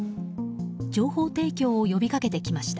情報提供を呼び掛けてきました。